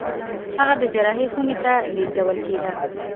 هغه د جراحي خونې ته لېږدول کېده.